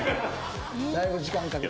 だいぶ時間かけて。